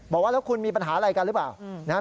บอกว่าแล้วคุณมีปัญหาอะไรกันหรือเปล่านะครับ